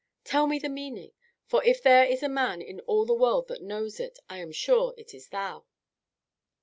Tell me the meaning, for if there is a man in all the world that knows it, I am sure it is thou."